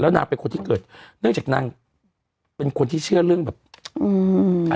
นางเป็นคนที่เกิดเนื่องจากนางเป็นคนที่เชื่อเรื่องแบบอืม